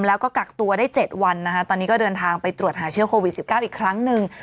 แล้วก็กักตัวได้๗วันนะคะตอนนี้ก็เดินทางไปตรวจหาเชื้อโควิด๑๙อีกครั้งหนึ่ง